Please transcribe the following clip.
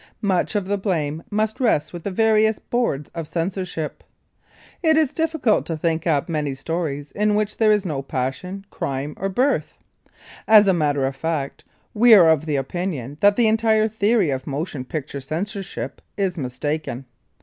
Much of the blame must rest with the various boards of censorship. It is difficult to think up many stories in which there is no passion, crime, or birth. As a matter of fact, we are of the opinion that the entire theory of motion picture censorship is mistaken.